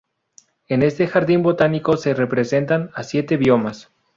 En este jardín botánico se representan a siete biomas.